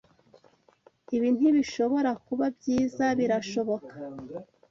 Ibi ntibishobora kuba byiza, birashoboka?